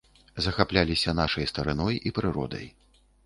Захапляліся нашай старыной і прыродай.